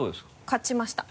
勝ちました。